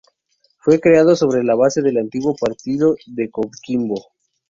Fue creado sobre la base del antiguo Partido de Coquimbo.